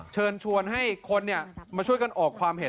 เชิญชวนให้คนมาช่วยกันออกความเห็น